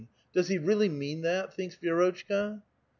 Does he really mean that?" thinks Vi^rotchka.